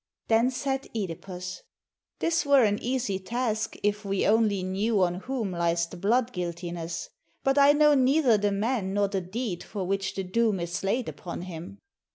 Then said (Edipus, "This were an easy task if we only knew on whom lies the bloodguiltiness; but I know neither the man nor the deed for which the doom is laid upon him."